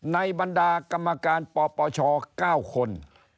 บรรดากรรมการปปช๙คน